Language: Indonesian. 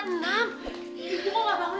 tiara dimas raka